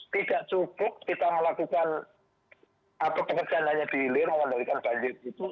tidak cukup kita melakukan atau pekerjaan hanya di hilir mengendalikan banjir itu